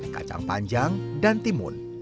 kacang panjang dan timun